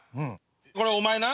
これお前な。